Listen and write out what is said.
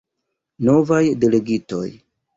Novaj delegitoj.